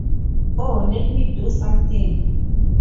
Oh, let me do something!